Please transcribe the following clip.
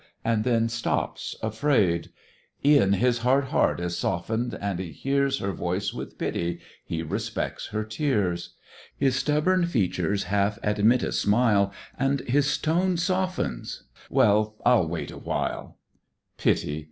and then stops afraid: E'en his hard heart is soften'd, and he hears Her voice with pity; he respects her tears; His stubborn features half admit a smile, And his tone softens "Well! I'll wait awhile." Pity!